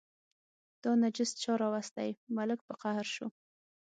دا نجس چا راوستی، ملک په قهر شو.